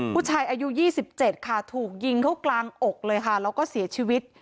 ผู้ชายอายุ๒๗ค่ะถูกยิงเข้ากลางอกเลยค่ะแล้วก็เสียชีวิต